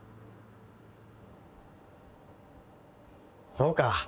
・そうか。